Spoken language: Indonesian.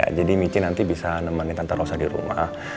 ya jadi michi nanti bisa nemenin tatarosa di rumah